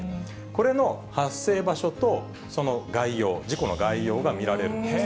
これの発生場所と、その概要、事故の概要が見られるんです。